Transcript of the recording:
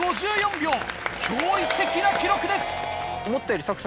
驚異的な記録です。